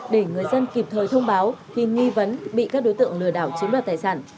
để người dân kịp thời thông báo khi nghi vấn bị các đối tượng lừa đảo chiếm đoạt tài sản